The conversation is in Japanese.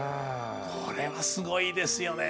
これはすごいですよね。